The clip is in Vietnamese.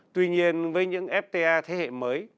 tuy nhiên với những fta thế hệ mới